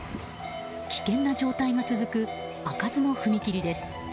危険な状態が続く開かずの踏切です。